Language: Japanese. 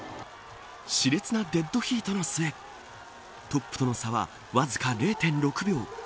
し烈なデッドヒートの末トップとの差はわずか０．６秒。